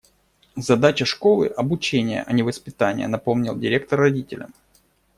«Задача школы - обучение, а не воспитание», - напомнил директор родителям.